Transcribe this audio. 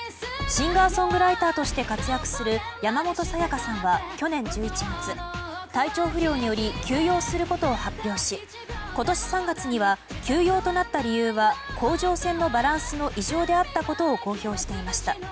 シンガーソングライターとして活躍する山本彩さんは去年１１月、体調不良により休養することを発表し今年３月には休養となった理由は甲状腺のバランスの異常であったことを公表していました。